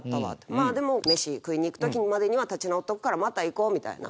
「まあでも飯食いに行く時までには立ち直っとくからまた行こう」みたいな。